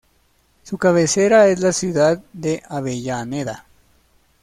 Su cabecera es la ciudad de Avellaneda.